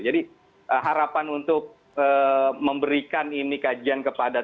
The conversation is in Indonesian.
jadi harapan untuk memberikan ini kajian kepada